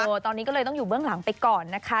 ตอนนี้ก็เลยต้องอยู่เบื้องหลังไปก่อนนะคะ